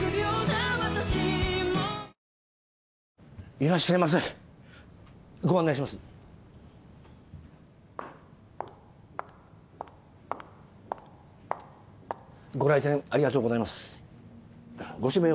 いらっしゃいませご案内しますご来店ありがとうございますご指名は？